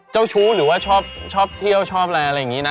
เจ้าชู้หรือว่าชอบเที่ยวชอบอะไรอะไรอย่างนี้นะ